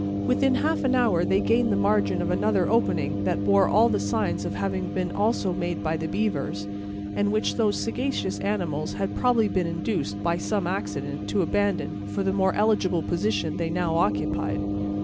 Within half an hour they gained the margin of another opening that bore all the signs of having been also made by the beavers, and which those sagacious animals had probably been induced, by some accident, to abandon, for the more eligible position they now occupied.